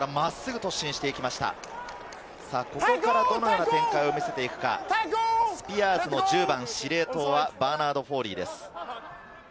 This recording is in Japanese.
ここからどのような展開を見せていくか、スピアーズの１０番、司令塔はバーナード・フォーリーです。